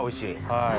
はい。